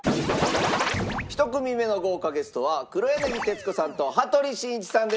１組目の豪華ゲストは黒柳徹子さんと羽鳥慎一さんです。